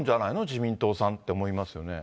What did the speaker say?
自民党さんって思いますよね。